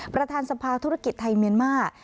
ประธานสภาธุรกิจไทยเมียนมาร์